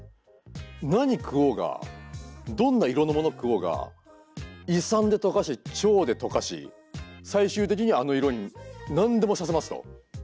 何食おうがどんな色のもの食おうが胃酸で溶かして腸で溶かし最終的にはあの色に何でもさせますと。